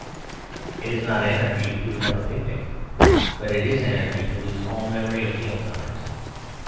It is not anarchy to have a picnic; but it is anarchy to lose all memory of mealtimes.